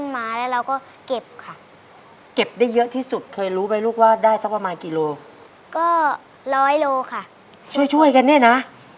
ไม่ได้หลอกค่ะ